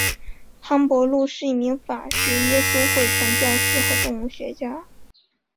韩伯禄是一名法国耶稣会传教士和动物学家。